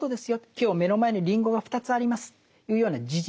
今日目の前にりんごが２つありますというような事実。